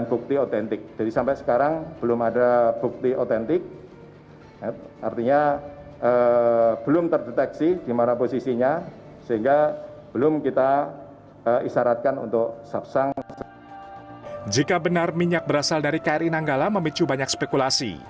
jika belum kita benar minyak berasal dari kri nanggala memicu banyak spekulasi